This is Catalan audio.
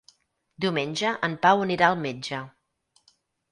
Diumenge en Pau anirà al metge.